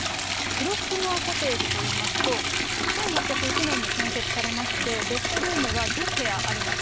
フロッグモア・コテージといいますと、１８０１年に建設されまして、ベッドルームは１０部屋あります。